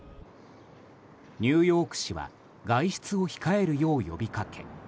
ニューヨーク市は外出を控えるよう呼びかけ